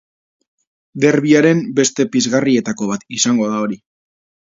Derbiaren beste pizgarrietako bat izango da hori.